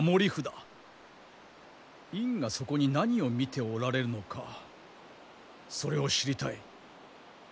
院がそこに何を見ておられるのかそれを知りたい。